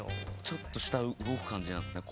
ちょっと下動く感じなんですね